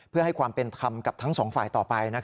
เพื่อให้ความเป็นธรรมกับทั้งสองฝ่ายต่อไป